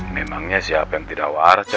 memangnya siapa yang tidak waras jakat